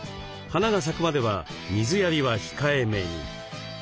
花が咲くまでは水やりは控えめに。